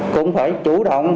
cũng phải chủ động